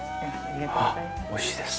ああ、おいしいです！